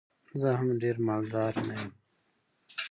زه هم ډېر مالدار نه یم.